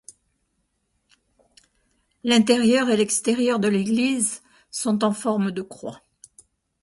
L'intérieur et l'extérieur de l'église sont en forme de croix.